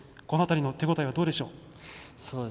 この辺りの手応えはどうでしょう。